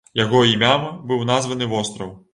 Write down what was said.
Яго імям быў названы востраў.